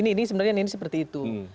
ini sebenarnya seperti itu